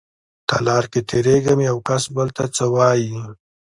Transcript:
تالار کې تېرېږم يوکس بل ته څه وايي.